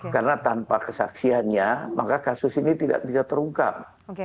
karena tanpa kesaksiannya maka kasus ini tidak bisa terungkap